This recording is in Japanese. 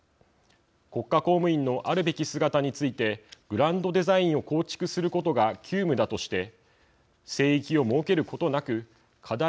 国家公務員のあるべき姿についてグランドデザインを構築することが急務だとして聖域を設けることなく課題